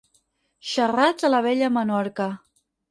Xerrats a la bella Menorca.